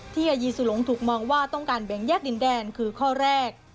อายีสุลงถูกมองว่าต้องการแบ่งแยกดินแดนคือข้อแรก